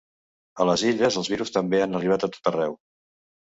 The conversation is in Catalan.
A les Illes el virus també ha arribat a tot arreu.